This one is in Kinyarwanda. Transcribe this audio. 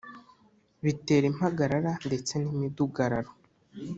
bitera impagarara ndetse n’imidugararo.